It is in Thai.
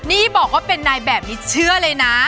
นี่บอกว่าเป็นนายแบบนี้เชื่อเลยนะ